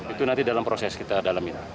itu nanti dalam proses kita dalamin